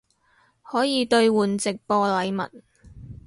可以兑换直播禮物